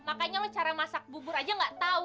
makanya lo cara masak bubur aja gak tau